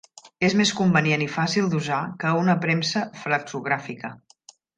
És més convenient i fàcil d'usar que una premsa flexogràfica.